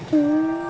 bukan ya kan